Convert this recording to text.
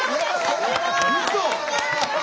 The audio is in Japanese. うそ！